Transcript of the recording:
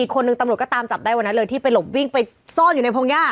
คนหนึ่งตำรวจก็ตามจับได้วันนั้นเลยที่ไปหลบวิ่งไปซ่อนอยู่ในพงหญ้า